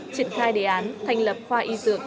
triển khai đề án thành lập khoa y dược